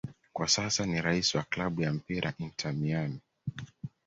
Kwa sasa ni raisi wa klabu ya mpira Inter Miami